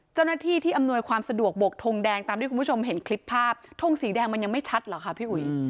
เจ้าหน้าที่ที่อำนวยความสะดวกบกทงแดงตามที่คุณผู้ชมเห็นคลิปภาพทงสีแดงมันยังไม่ชัดเหรอคะพี่อุ๋ย